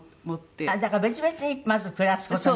だから別々にまず暮らす事に。